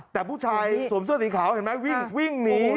แต่ผู้ชายสวมเสื้อสีขาวเห็นไหมวิ่งวิ่งหนี